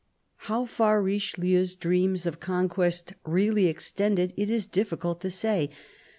How far Richelieu's dreams of conquest really extended, it is difficult to say.